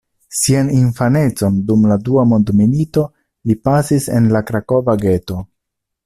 Sian infanecon dum la Dua Mondmilito li pasis en la Krakova geto.